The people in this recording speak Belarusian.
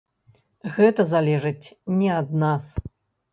Гэта залежыць не ад нас.